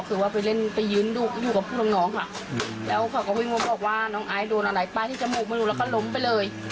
คือว่าไปเล่นไปยืนดูอยู่กับน้องค่ะแล้วเขาก็วิ่งงบออกว่าน้องไอซ์โดนอะไรป้ายที่จมูกไม่รู้แล้วก็ล้มไปเลย